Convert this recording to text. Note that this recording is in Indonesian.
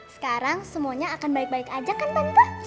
sekarang semuanya akan baik baik aja kan tanpa